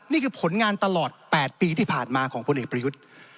นี่คือผลงานตลอด๘ปีที่ผ่านมาของพลเอกประยุทธ์